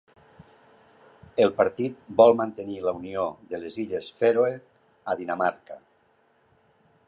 El partit vol mantenir la unió de les Illes Fèroe amb Dinamarca.